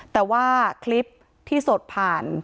แต่ว่าคลิปที่สดผ่าน